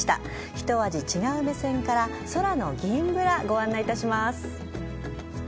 一味違う目線から空の銀ぶらご案内いたします。